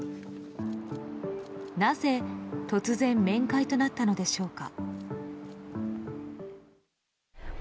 なぜ突然面会となったのでしょうか。